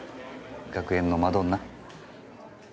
学園のマドンナ？